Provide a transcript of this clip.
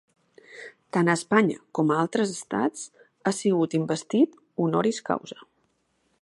Tant a Espanya com a altres estats, ha sigut investit honoris causa.